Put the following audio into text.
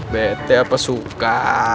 bete apa suka